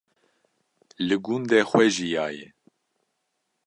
li gundê xwe jiyaye